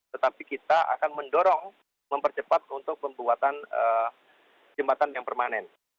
tetapi kita akan mendorong mempercepat untuk pembuatan jembatan yang permanen